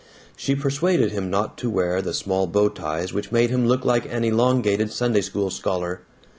She persuaded him not to wear the small bow ties which made him look like an elongated Sunday School scholar.